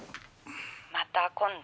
「また今度」